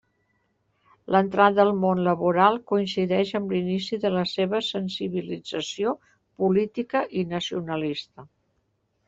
L'entrada al món laboral coincideix amb l'inici de la seva sensibilització política i nacionalista.